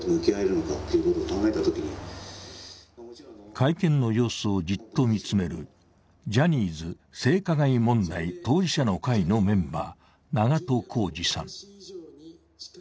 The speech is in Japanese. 会見の様子をじっと見つめるジャニーズ性加害問題当事者の会のメンバー、長渡康二さん。